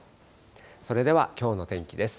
それではきょうの天気です。